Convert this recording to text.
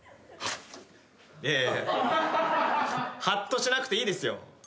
ハッとしなくていいですよ。